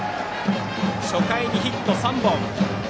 初回にヒット３本。